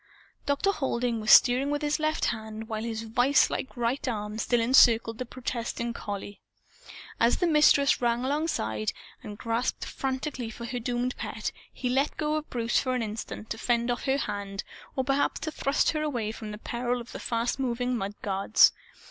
Dr. Halding was steering with his left hand, while his viselike right arm still encircled the protesting collie. As the Mistress ran alongside and grasped frantically for her doomed pet, he let go of Bruce for an instant, to fend off her hand or perhaps to thrust her away from the peril of the fast moving mud guards.